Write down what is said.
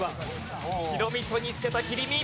白味噌に漬けた切り身。